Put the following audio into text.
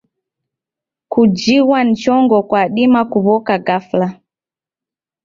Kujighwa ni chongo kwadima kuw'oka gafla.